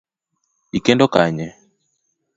Ikendo Kanye?